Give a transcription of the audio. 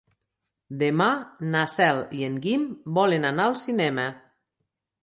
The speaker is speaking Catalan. Demà na Cel i en Guim volen anar al cinema.